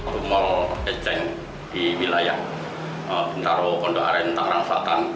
rumah ejeng di wilayah bintaro kondo aren tangerang selatan